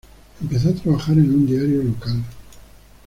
Empezó a trabajar en un diario local.